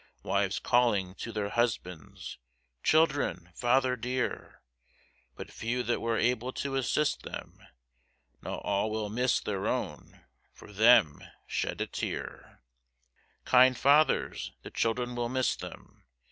Wives calling to their husbands, children, father dear, But few that were able to assist them, Now all will miss their own, for them shed a tear, Kind fathers, the children will miss them.